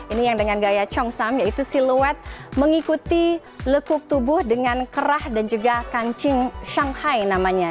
ini yang dengan gaya chongsam yaitu siluet mengikuti lekuk tubuh dengan kerah dan juga kancing shanghai namanya